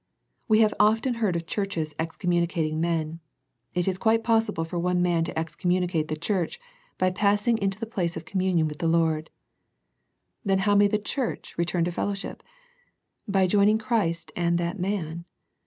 We have often heard of churches excommunicating men. It is quite possible for one man to excommunicate the church by passing into the place of communion with the Lord. Then how may the church return to fellowship? By joining Christ and that man.